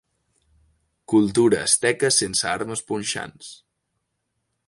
Cultura asteca sense armes punxants.